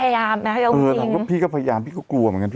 ว่าพี่ก็พยายามพี่ก็กลัวเหมือนกัน